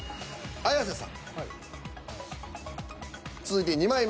綾瀬さん。